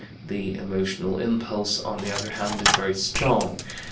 The emotional impulse, on the other hand, is very strong.